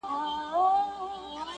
عاشقان د ترقۍ د خپل وطن یو؛